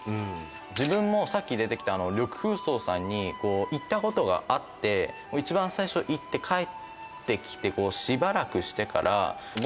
自分もさっき出てきた緑風荘さんに行ったことがあって一番最初行って帰ってきてしばらくしてから僕